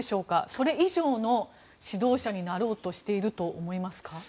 それ以上の指導者になろうとしていると思いますか。